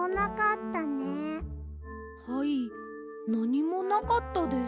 はいなにもなかったです。